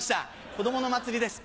子供の祭りです